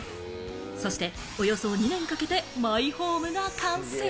そしておよそ２年かけてマイホームが完成。